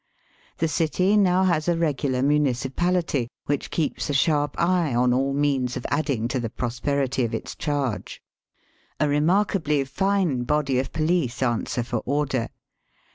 The city now has a regular municipality, which keeps a sharp eye on all means of adding to the prosperity of its charge. A remarkably fine body of police answer for order.